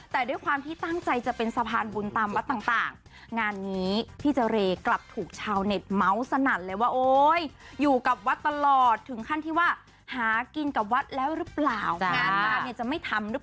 แต่ด้วยความที่ตั้งใจจะเป็นสะพานบุญตามวัดต่างงานนี้พี่เจรกลับถูกชาวเน็ตเมาส์สนั่นเลยว่าโอ๊ยอยู่กับวัดตลอดถึงขั้นที่ว่าหากินกับวัดแล้วหรือเปล่างานมาเนี่ยจะไม่ทำหรือเปล่า